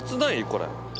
これ。